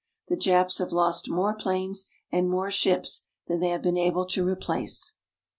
The Japs have lost more planes and more ships than they have been able to replace.